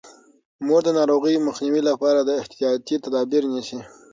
مور د ناروغۍ مخنیوي لپاره احتیاطي تدابیر نیسي.